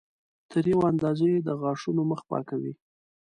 تر یوې اندازې د غاښونو مخ پاکوي.